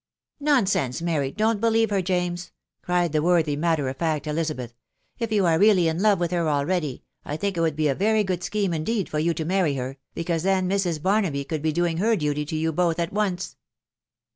" Nonsense, Mary I .... Don't believe her, James! cried the worthy matter of fact Elizabeth. " If you are really in love with her already, I think it would be a very .good scheme indeed for you to marry her, because then Mrs. Barnaby could be doing her duty to you both at once."